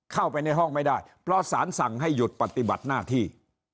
เข้าไปในห้องไม่ได้เพราะสารสั่งให้หยุดปฏิบัติหน้าที่